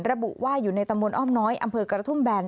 ระบุว่าอยู่ในตำบลอ้อมน้อยอำเภอกระทุ่มแบน